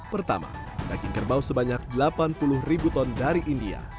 pertama daging kerbau sebanyak delapan puluh ribu ton dari india